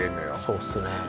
そうっすね